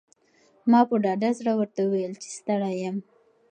ما په ډاډه زړه ورته وویل چې ستړی یم.